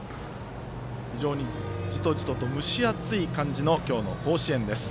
非常にじとじとと蒸し暑い感じの今日の甲子園です。